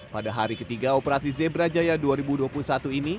pada hari ketiga operasi zebra jaya dua ribu dua puluh satu ini